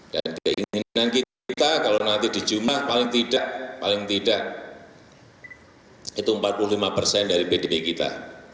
dan keinginan kita kalau nanti di jumat paling tidak paling tidak itu empat puluh lima persen dari bdmi kita